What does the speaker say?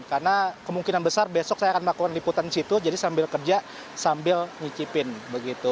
karena kemungkinan besar besok saya akan melakukan liputan di situ jadi sambil kerja sambil nyicipin begitu